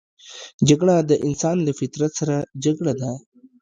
جګړه د انسان له فطرت سره جګړه ده